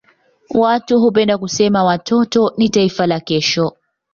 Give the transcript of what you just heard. Watu hupenda kusema watoto ni taifa la kesho.